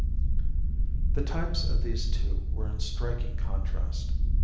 The types of these two were in striking contrast.